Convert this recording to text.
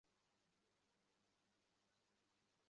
যাহারা রজোগুণী, তাহারা ঝাল ও ঝাঁজযুক্ত খাদ্য পছন্দ করে।